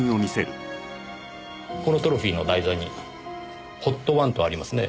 このトロフィーの台座に「ＨＯＴ１」とありますねぇ。